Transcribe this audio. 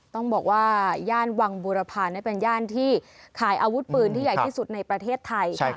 ต้องบอกว่าย่านวังบูรพาเป็นย่านที่ขายอาวุธปืนที่ใหญ่ที่สุดในประเทศไทย